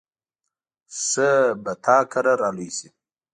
ښه به تا کره را لوی شي.